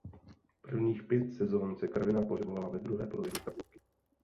Prvních pět sezon se Karviná pohybovala ve druhé polovině tabulky.